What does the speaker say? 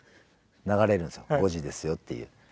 流れるんですよ５時ですよっていう。